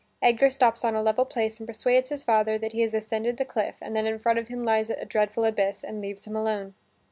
Edgar stops on a level place and persuades his father that he has ascended the cliff and that in front of him lies a dreadful abyss, and leaves him alone.